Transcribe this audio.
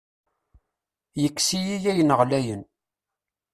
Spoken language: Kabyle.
Yekkes-iyi ayen ɣlayen.